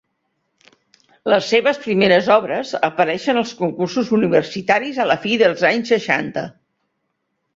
Les seves primeres obres apareixen als concursos universitaris a la fi dels anys seixanta.